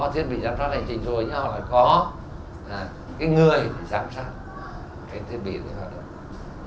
thiết bị giám sát hành trình rồi nhưng họ lại có cái người giám sát cái thiết bị của hoạt động